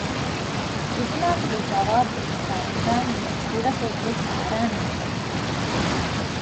ޒިބްނާތުގެ ޖަވާބު އިވިފައި އިބްރާހީމްބެ ކުޑަކޮށްވެސް ހައިރާނެއްނުވެ